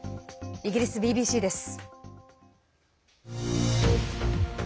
イギリスＢＢＣです。